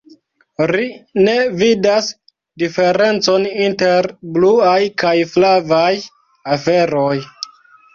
Ri ne vidas diferencon inter bluaj kaj flavaj aferoj.